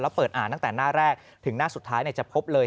แล้วเปิดอ่านตั้งแต่หน้าแรกถึงหน้าสุดท้ายจะพบเลย